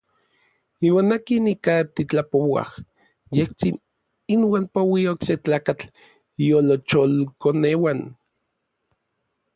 Iuan akin ika titlapouaj, yejtsin inuan poui okse tlakatl iolocholkoneuan.